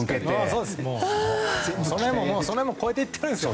その辺も超えていってるんですよ。